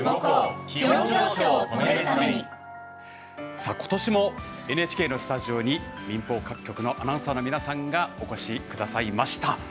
さあ今年もＮＨＫのスタジオに民放各局のアナウンサーの皆さんがお越しくださいました。